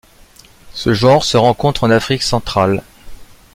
Ce genre se rencontre en Afrique centrale.